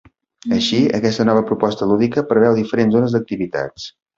Així, aquesta nova proposta lúdica preveu diferents zones d’activitats.